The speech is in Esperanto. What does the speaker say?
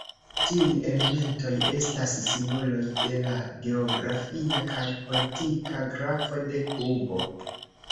Tiuj elementoj estas simboloj de la geografia kaj politika gravo de Kubo.